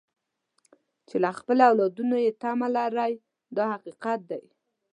چې له خپلو اولادونو یې تمه لرئ دا حقیقت دی.